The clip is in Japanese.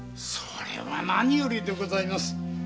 それは何よりでございます。